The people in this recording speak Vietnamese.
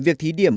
việc trí điểm